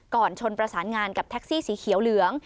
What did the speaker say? ชนประสานงานกับแท็กซี่สีเขียวเหลือง